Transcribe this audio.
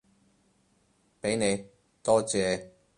畀你，多謝